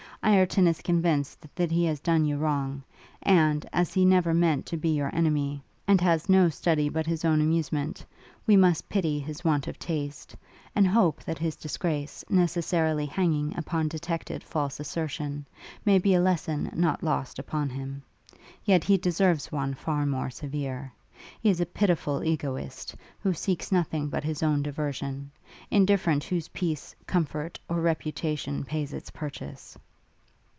Ireton is convinced that he has done you wrong; and, as he never meant to be your enemy, and has no study but his own amusement, we must pity his want of taste, and hope that the disgrace necessarily hanging upon detected false assertion, may be a lesson not lost upon him. Yet he deserves one far more severe. He is a pitiful egotist, who seeks nothing but his own diversion; indifferent whose peace, comfort, or reputation pays its purchase.'